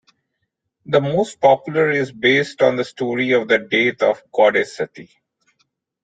The most popular is based on the story of the death of goddess Sati.